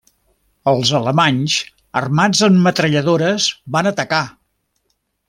Els alemanys, armats amb metralladores, van atacar.